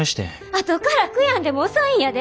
あとから悔やんでも遅いんやで。